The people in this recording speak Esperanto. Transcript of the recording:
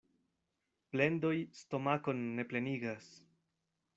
Plendoj stomakon ne plenigas.